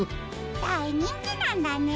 だいにんきなんだね！